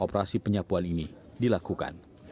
operasi penyapuan ini dilakukan